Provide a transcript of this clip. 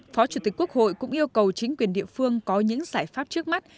phó chủ tịch quốc hội cũng yêu cầu chính quyền địa phương có những giải pháp trước mắt